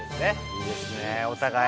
いいですねおたがい。